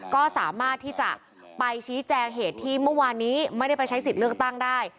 ก็สามารถที่จะไปชี้แจงเหตุที่เมื่อวานนี้ไม่ได้ไปใช้สิทธิ์เลือกตั้งได้